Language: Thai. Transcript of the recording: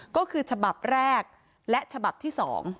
ก็คือฉบับแรกและฉบับที่๒